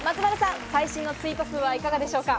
最新のツイート数はいかがでしょうか？